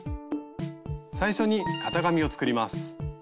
最初に型紙を作ります。